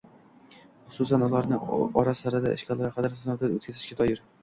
hususan ularni ora-sirada ishga layoqatini sinovdan o‘tkazishga doir